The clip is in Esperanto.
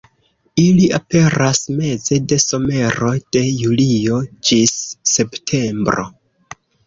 Ili aperas meze de somero, de julio ĝis septembro.